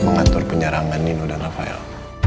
mengatur penyerangan nino dan rafael